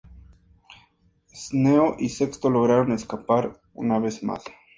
Cneo y Sexto lograron escapar una vez más.